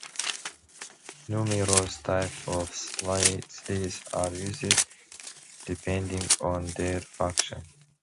Numerous types of sleds are used, depending on their function.